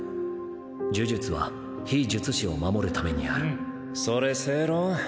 呪術は非術師を守るためにあるそれ正論？